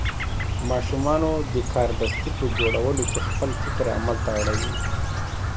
ماشومان د کاردستي په جوړولو کې خپل فکر عمل ته اړوي.